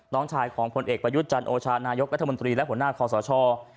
น้องชายของผลเอกประยุทธ์จันโอชานายกรัฐมนตรีและหัวหน้าคอสช